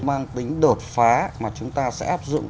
một phá mà chúng ta sẽ áp dụng